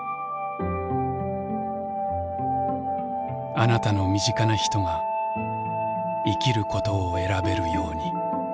あなたの身近な人が生きることを選べるように。